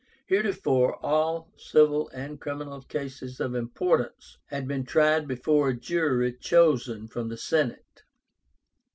Heretofore all civil and criminal cases of importance had been tried before a jury chosen from the Senate.